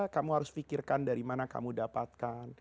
kamu harus pikirkan dari mana kamu dapatkan